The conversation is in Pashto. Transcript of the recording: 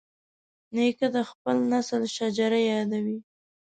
نیکه د خپل نسل شجره یادوي.